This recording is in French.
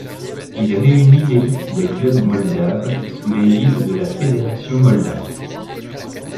Il réunit l'élite des clubs moldaves sous l'égide de la Fédération moldave.